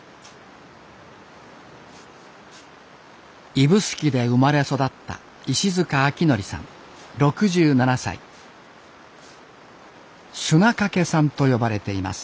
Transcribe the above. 指宿で生まれ育った「砂かけさん」と呼ばれています。